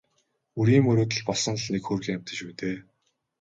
Үрийн мөрөөдөл болсон л нэг хөөрхий амьтан шүү дээ.